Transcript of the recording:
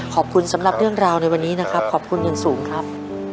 ขอบคุณสำหรับเรื่องราวในวันนี้นะครับขอบคุณอย่างสูงครับ